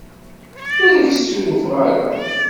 Ur ak-ssurufeɣ ara.